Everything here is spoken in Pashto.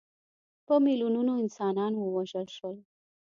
په میلیونونو انسانان ووژل شول.